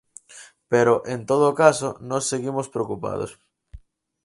Pero, en todo caso, nós seguimos preocupados.